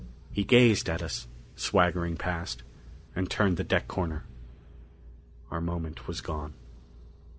He gazed at us, swaggering past, and turned the deck corner. Our moment was gone.